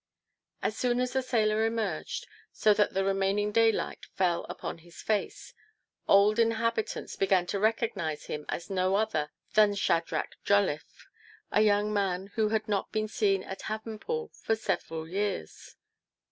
As soon as the sailor emerged, so that the remaining daylight fell upon his face, old inhabitants began to recognize him as no other than Shadrach Jolliffe, a young man who had not been seen at Havenpool for several years.